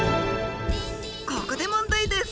ここで問題です！